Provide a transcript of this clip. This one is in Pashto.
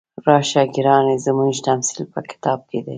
راشه ګرانې زموږ تمثیل په کتاب کې دی.